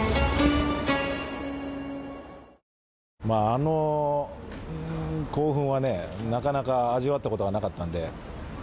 あの興奮はなかなか味わったことはなかったので。